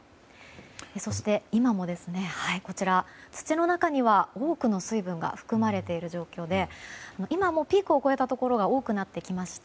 そして、今も土の中には多くの水分が含まれている状況で今はもうピークを超えたところが多くなってきました。